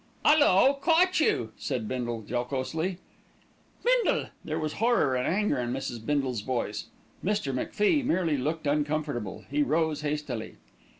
"'Ullo, caught you," said Bindle jocosely. "Bindle!" There was horror and anger in Mrs. Bindle's voice. Mr. MacFie merely looked uncomfortable. He rose hastily.